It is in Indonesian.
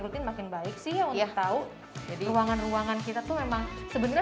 rutin makin baik sih untuk tahu jadi ruangan ruangan kita tuh memang sebenarnya